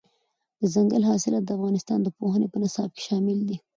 دځنګل حاصلات د افغانستان د پوهنې په نصاب کې شامل دي.